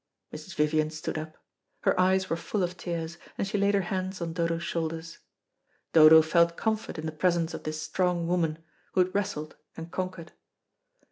Mrs. Vivian stood up. Her eyes were full of tears, and she laid her hands on Dodo's shoulders. Dodo felt comfort in the presence of this strong woman, who had wrestled and conquered.